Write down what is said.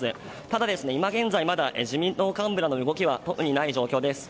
ただ、今現在自民党幹部らの動きは特にない状況です。